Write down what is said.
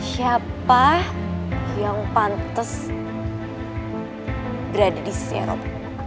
siapa yang pantes berada di serum